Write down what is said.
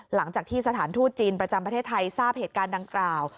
หลังจากที่สถานทูตจีนประจำประเทศไทยทราบเหตุการณ์ดังกล่าว